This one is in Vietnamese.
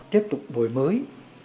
tiếp tục đổi mới